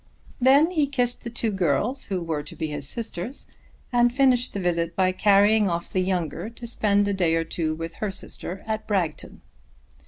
Then he kissed the two girls who were to be his sisters, and finished the visit by carrying off the younger to spend a day or two with her sister at Bragton.